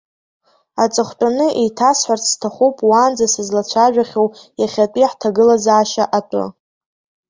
Аҵыхәтәаны еиҭасҳәарц сҭахуп уаанӡа сызлацәажәахьоу иахьатәи ҳҭагылазаашьа атәы.